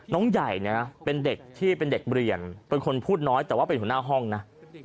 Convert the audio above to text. ใหญ่เนี่ยนะเป็นเด็กที่เป็นเด็กเรียนเป็นคนพูดน้อยแต่ว่าเป็นหัวหน้าห้องนะ